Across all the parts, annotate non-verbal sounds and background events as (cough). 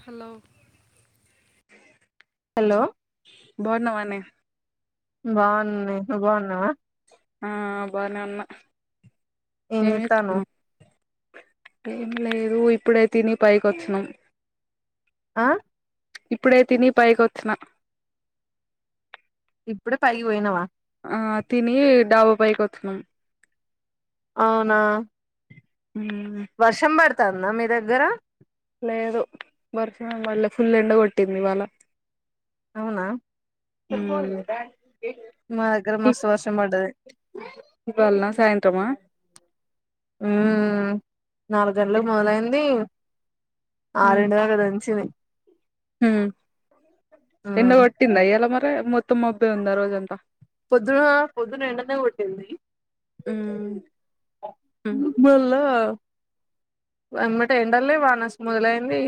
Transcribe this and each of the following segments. Hello hello బాగున్నవానే బాగున్ననే నువ్వు బాగున్నవా ఆ బానే ఉన్నా ఏం చేత్తన్నావ్ ఏం లేదు ఇప్పుడే తిని పైకి అచ్చినం ఆ ఇప్పుడే తిని పైకి వచ్చిన ఇప్పుడే పైకిపోయినావా ఆ తిని డాబా పైకి వచ్చినం అవునా ఉమ్ వర్షం పడతందా మీ దగ్గర లేదు వర్షం ఏం పడలే ఫుల్ ఎండ కొట్టింది ఇవ్వాలా అవునా ఉమ్ మా దగ్గర మస్తు వర్షం పడ్డది ఇవ్వాలనా సాయంత్రమా హ్మ్ నాలగ గంటల్లాకు మొదలైంది ఆ రెండు గంటలు దంచింది హ్మ్ ఎండ ఉమ్ కొట్టిందా ఈయాల మరి మొత్తం మబ్బే ఉందా రోజు అంతా పొద్దున పొద్దున ఎండనే కొట్టింది ఉమ్ ఉమ్ మళ్ళ వెంబడే ఎండల్ని వాన అస మొదలైంది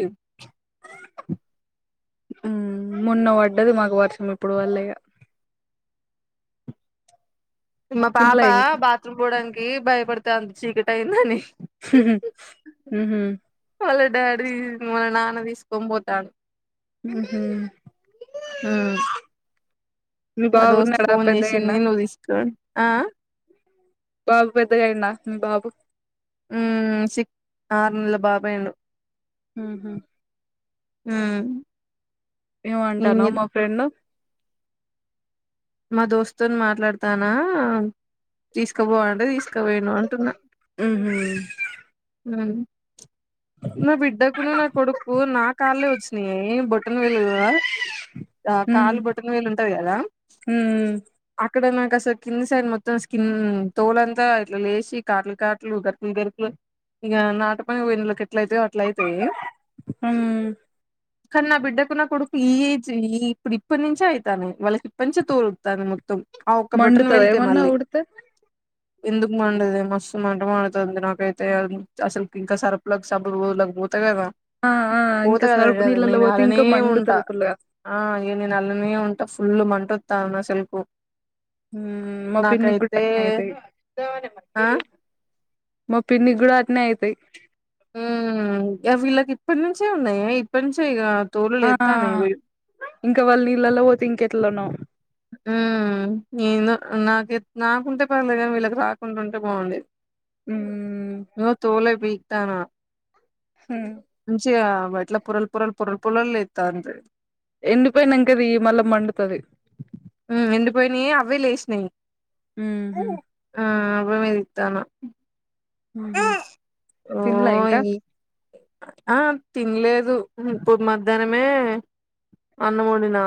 ఉమ్ మొన్న పడ్డది మాకు వర్షం ఇప్పుడు పడలేగా మా పాప తినలే ఇంక బాత్రూమ్ పోవడానికి బయటపడతాంది చీకట అయిందని ఉహూ వాళ్ళ డాడీ వాళ్ళ నాన్న తీసుకొని పోతండు ఉహూ ఉ మీ మా బాబు దోస్తు ఉన్నాడా ఫోన్ చేసింది పెద్దగయిండా నువ్వు తీసుకో ఆ బాబు పెద్దగా అయిందా మీ బాబు ఉమ్ సిక్ ఆరు నెల బాబు అయిండు ఉహూ మ్మ్ ఏమో ఏం అంటున్నవ్ చెప్ మా ఫ్రెండ్ మా దోస్తోని మాట్లాడతానా తీసుకు తీసుకపో అంటే తీసుకపోయిండు అంటున్నా ఉహు ఉహ్ నా బిడ్డకున నా కొడుక్కు నా కాళ్లే వచ్చినయే బొట్టన వెళ్ళు ఆ ఉమ్ కాలు బొట్టన వేళ్ళు ఉంటాయి కదా ఉ ఇక్కడ నాకు అసలు కింది సైడ్ మొత్తం స్కిన్ తోలంతా ఇట్లా లేచి కాట్లు కాట్లు గరుకులు గరుకులు ఇక నాటు పనులకి ఎట్ల అయితయో అట్ల అయితాయి ఉమ్ కానీ నా బిడ్డకు నా కొడుకు ఈ ఏజ్ ఈ ఇప్పుడు ఇప్పటి నుంచే అయితన్నయి వాళ్ళకి ఇప్పటి నుంచ తోలు ఊతంది మొత్తం ఆ ఒక్క బోటన మండుతదా వేలు కే ఏమన్నా మళ్ళీ ఉడితే ఎందుకు మండది మస్తు మంట మండుతంది నాకైతే అసలు ఇంకా సరుపులకు సబ్బు రోజులకు కేవా ఆ ఆ పోత ఇంకా కదా సరుపు గాదు నీళ్ళలో నేను పోతే అల్లానే ఇంకా ఉంటా మండుతది ఫుల్లుగా ఆ నేను అల్లానే ఉంటా ఫుల్ మంట అత్తంది అసలుకు ఉమ్ మా పిన్నికి కూడా నాకైతే అట్నే అయితయి ఆ మా పిన్నికి కూడా అత్నే అయితయి ఉమ్ గా వీళ్ళకి ఇప్పటి నుంచే ఉన్నాయి ఇప్పటి నుంచే ఇగ తోలు ఆ లేతాన్నయి ఇగో ఇంకా వాళ్ళ నీళ్ళలో పోతే ఇంకెట్లానో ఉమ్ ఏందో నాక నాకుంటే పర్లేదుగాని వీళ్ళకి రాకుండా ఉంటే బాగుండేది ఉమ్ ఇగో తోలే పిక్తన్న ఉమ్ మంచిగా ఇట్లా పోరల్ పురల్ పురల్ పురల్ లేతంది ఎండిపోనాంక తీయి మళ్ళ మండుతది ఎండిపోయినయే అవే లేసినాయి ఉహు ఆ అ మీ తన ఆహ తిన్లా ఇంకా ఈ ఆ తినలేదు పో మధ్యాహ్నమే అన్నం వండిన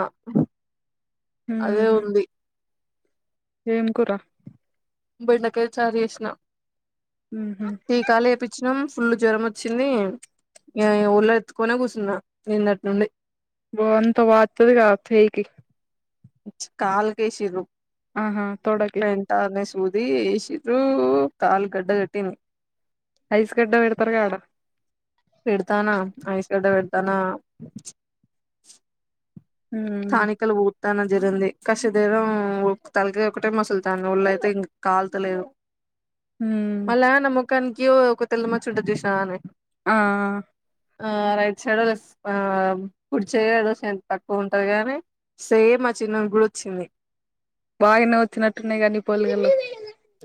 అదే ఉహు ఉంది ఏం కూరా బెండకాయ చారు చేసినా ఉహు టీకా లేపిచ్చినాం ఫుల్ జ్వరం వచ్చింది ఇగ ఒళ్ళో ఎత్తుకునే కూర్చున్నా నిన్నటి నుండి అబో అంత వాతది క చెయ్యికి కాల్కకి ఎసిండ్లు ఆహా తోడ కి అది ఏస్రు కాల్ గడ్డ కట్టింది ఐస్ గడ్డ పెడతారు కదా అడ పెడతానా ఐస్ గడ్డ పెడతానా ఉమ్ స్థానికలు తన జరింది కష్ దరం తలకి ఒకటే మసులుతాను ఒళ్ళయితే ఇంక కాల్తలేదు ఉమ్ మళ్ళా నా ముఖానికి ఒక తెల్ల మచ్చ ఉంటది చూసినవానే ఆ ఆ రైట్ సైడ్ లఫ్ట్ కుడి చేయి పక్క ఉ ఉంటది కానీ సేమ్ మా చిన్నోడికి కూడా వచ్చింది బాగానే వచ్చినట్టున్నాయి నీ పోలికలు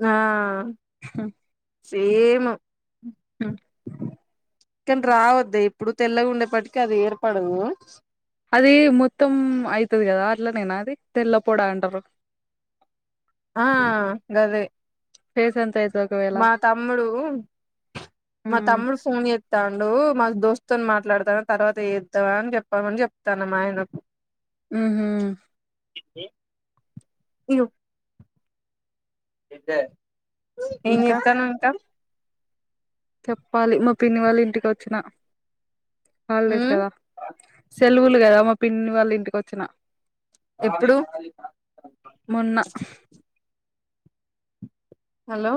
ఆ సేమ్ ఆ కానీ రావద్దు ఇప్పుడు తెల్లగా ఉండేప్పటికే అది ఏర్పడదు అది మొత్తం అయితది కదా అట్లనేనా అది తెల్లపూడా అంటారు ఆ గదే ఫేస్ అం అంతైత్ మా తమ్ముడూ మా ఉమ్ తమ్ముడు ఫోన్ చే తాండూ మా దోస్త్తోన్ మాట్లాడతాన్న తర్వాత చేత్తవా అన్ చెప్పామని చెప్తాన్న మా ఆయనకు మ్ హ్ అయ్యో ఏం ఇంకా చేత్తాన్నవ్ ఇంట్ల చెప్పాలి మా పిన్ని వాళ్ళింటికి వచ్చిన హాలిడేస్ ఉమ్ కదా సెలవుల్ కదా మా పిన్ని వాళ్ళింటికొచ్చిన ఎప్పుడు? మొన్న హలో!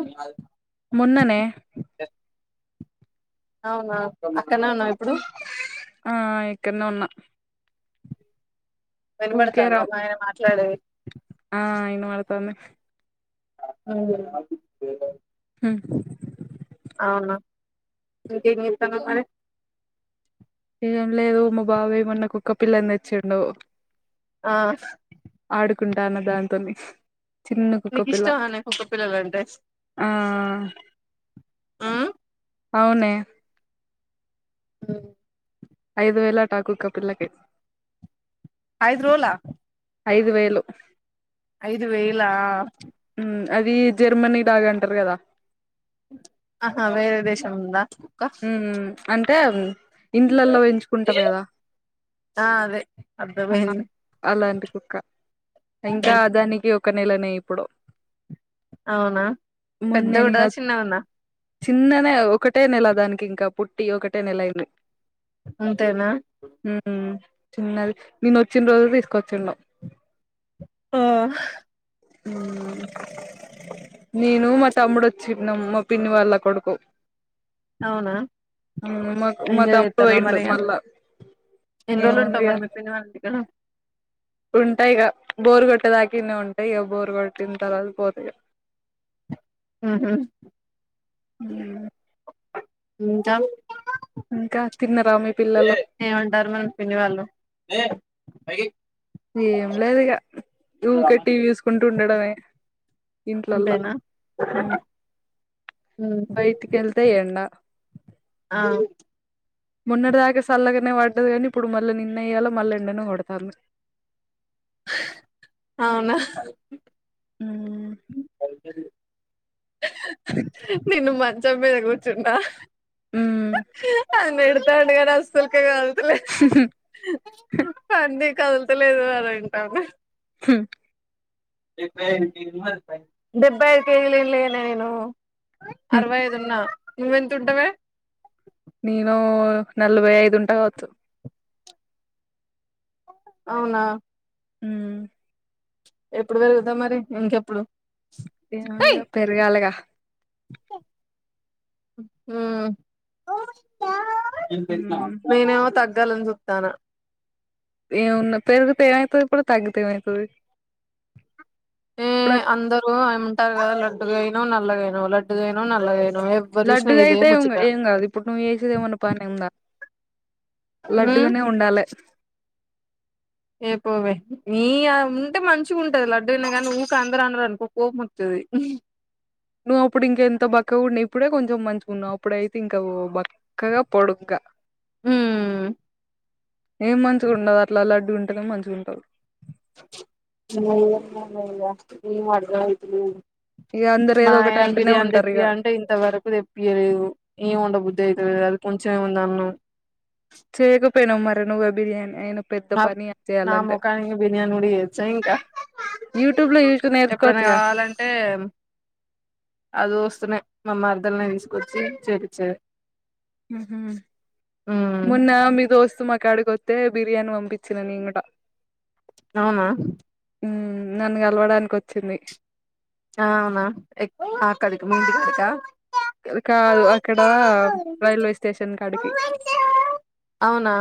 మొన్ననే అవునా అక్కనే ఉన్నవ ఇప్పుడు ఆ ఇకన్న ఉన్న. రా వినబడ్తాందా మా ఆయన మాట్లాడేది ఆ ఇనబడ్తాంది. మ్ ఉమ్, అవున ఇంకేం చేత్తాన్నవ్ మరి ఏం లేదు మా బాబాయ్ మొన్న కుక్క పిల్లన్ తెచ్చిండు. ఆ ఆడుకుంటాన్న దాంతోని చిన్న నీకు కుక్కపిల్ల ఇష్టమా నా కుక్క పిల్లలంటే ఆ ఆ అవ్నే మ్ ఐదు వేలట ఆ కుక్క పిల్లకి ఐదు రోల ఐదు వేలు ఐదు వేలా మ్ అది జర్మనీ రాజ్ అంటరు కదా ఆహా వేరే దేశంద మ్ మ్ అంటే ఇండ్లల్ల పెంచుకుంటర్ గదా ఆ అదే అర్థమైంది అలాంటి కుక్క ఇంకా దానికి ఒ ఒక నెలనే ఇప్పుడు అవునా పెద్ద గుంటద మొన్నేనిగా చిన్నగున్న చిన్ననే ఒకటే నెల దానికి ఇంకా పుట్టి ఒకటే నెలైయింది. అంతేనా ఉమ్ చిన్నది నేన్ ఒచ్చిన్ రోజు తీసుకొచ్చిండు. ఆ మ్ నేను మా తమ్ముడోచ్చినం. మా పిన్ని వాళ్ళ కొడుకు అవునా మ్ మాక్ మా ఎంజాయ్ తమ్ముడు చెత్తన్నావా పోయిండు మరి ఇగ మళ్ళ ఎన్ని రోజుల్ ఉంటవ్ మరి మీ పిన్నివాళ్ళింటి కాడ ఉంట ఇగ బోర్ గొట్ గొట్ట దాక ఈన్నే ఉంటే ఇగ బోర్ కొట్టిన్ తరువాత పోత ఇగ మ్ హ్ మ్.... ఉంట ఇంకా తిన్నరా మీ పిల్లలు ఏవంటారు మేడం పెళ్లి వాళ్ళు ఏం లేదు ఇగ ఊకే టీవీ చూసుకుంటు ఉండడమే ఇంట్లల్ల అంతేనా బయటికెళ్తే ఎండ ఆ మొన్నటి దాకా చల్లగనే పడ్డది గనీ ఇప్పుడు మళ్ళ నిన్న ఈయాల మళ్ళ ఎండనే కొడతాంది అవునా (unintelligible) నేను మంచం మీద కుచున్న ఉమ్ నన్ను తిడుతడు కదా అసలుకే కద ఉ హ్ హు పంది కదులుతలేదు గదా అని అంటది హ్మ్ డెబ్బై ఐదు కేజీలి లే నేను అరవై ఐదు ఉన్న నువ్వెంత ఉంటవే నేను నలభై ఐదు ఉంట గావతు అవునా హ్మ్ ఎప్పుడు పెరుగుతవ్ మరి ఇంకెప్పుడు ఏమో ఇగ ఏయ్ పెరగాల ఇగ హ్మ్ ఉమ్ నేనేమో తగ తగ్గాలని చూస్తాన్న ఏవున్న పెరుగుతయ ఏమాతాది ఇప్పుడు తగ్గితే ఏమవుతది ఇప్పుడు ఏ అందరూ ఏమంటారు గదా లడ్డుగైనావ్ నల్లగైనావ్ లడ్డుగైనావ్ నల్లగైనావ్ లడ్డుగయితే ఉగ ఏం కాదు ఇప్పుడు నువ్వు చేసేదిమన్నా పను ఉందా ఉమ్ లడ్డుగనే ఉండాలే ఏ పోవే ఈ ఆ ఉంటే మంచిగుటది లడ్డూగనే గనీ నువ్వు ఊక అందరు అన్నారు అనుకో కోముమొతది ది నువ్వు అప్పుడు ఇంకెంతో బక్క ఉండి ఇప్పుడే కొంచెం మంచికున్నవు అప్పుడయితే ఇంక బక్కగా పొడుగ్గా హ్మ్మ్ ఏం మంచిగుండవ్ అట్లా లడ్డుగుంట నె మంచిగా ఉంటావ్ (unintelligible) ఇక అందరు మా ఏదో ఒకటి ఆయన అంటనే బిర్యానీ ఉంటారు తెప్పి ఇక అంటే ఇంత వరకు తెప్పిలేదు ఏం ఉండబుద్ధి ఐతే అది కొంచెం ఉంద అన్నం చేయకపోయినా మర నువ్వ బిర్యానీ అయినా నా ముఖానికి బిర్యానీ కూడా తెలుసా ఇంకా యూట్యూబ్ లో చూసి ఎప్పుడైనా నేర్చుకోవచ్చుగా కావాలంటే అది వస్త మా మరదల్ని తీసుకొచ్చి చేపిచ్చేది ఉమ్ ఉమ్ మొన్న మీ దోస్త మా కాడికితే బిర్యానీ పంపించిన నేను కూడా అవునా హ్మ్ నన్ను కలవడానికి వచ్చింది ఆ అవునా ఎ ఆ కడుకు (unintelligible) కా అక్కడకాదు అక్కడ రైల్వే స్టేషన్ కాడికి అవునా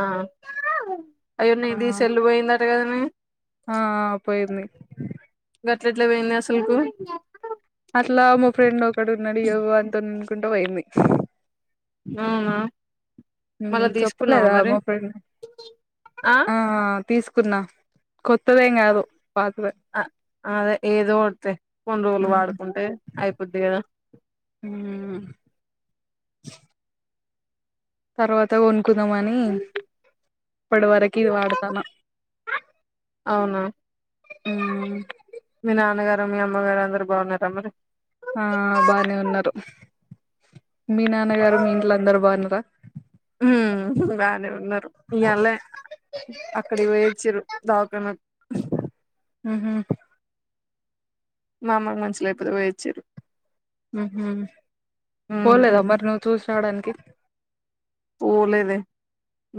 అయ్యో నీది ఆ సెల్ పోయింది అంట కాదానే ఆ పోయింది గట్లఎట్లా పోయిందే అసలుకు అట్లా మా ఫ్రెండ్ ఒకడు ఉన్నాడు వానితో అనుకుంటా పోయింది ఆవునా చెప్పలేదా మా ఫ్రెండ్ ఆ తీసుకున్నా కొత్తదే కాదు పాతదే అదే ఏదో ఒక్కటిలే కొన్ని రోజులు వాడుకుంటే అయిపోద్ది కదా మ్మ్ తర్వాత కొనుకుందామ అని ఇప్పటి వరకు ఇది వాడతాను అవునా ఉమ్ మీ నాన్నగారు మీ అమ్మగారు అందరు బాగున్నారా మరి ఆ బానే ఉన్నారు మీ నాన్నగారు మీ ఇంట్లో అందరు బాగున్నారా హు బానే ఉన్నారు ఇవాళ అక్కడికి పోయచ్చారు టవనకు ఉహు మామ కీ మంచిలేకపోతె పోయి వచ్చిరు ఉహు పోలేదా మరి నువ్వు చూస రావడానికి పోలేదే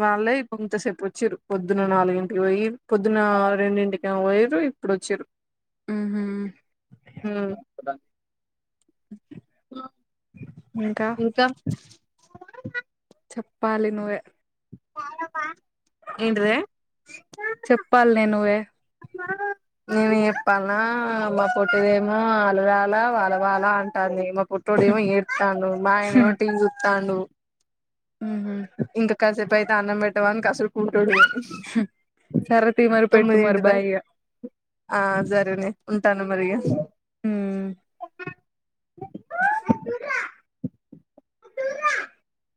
వాళ్ళే ఇంతసేపుకీ వచ్చిరు పొద్దున నాలుగింటికి పోయి పొద్దున రెండింటికి పోయరు ఇప్పుడు వచ్చిరు మ్మ్ ఉ ఇంకా చెప్పాలి నువ్వే ఏంటదీ చెప్పాలి నే నువ్వే నేనే చెప్పాలనా మా పొట్టిదేమో రానా వాన వాన అంటాంది మా పుట్టడు ఏమో ఏడతాడు మా ఆయన ఏమో టీ చూస్తాడు మ్మ్ ఇంకా కాసేపు అయితే అన్నం పెట్టవా అన్ని కాసు టుడు సరే తీ మరి పెట్టు మరి తొమ్మిదింటి బాయ్ ఇగ ఆ సరేలే ఉంటాను మరి ఇక ఉమ్ (inaudible)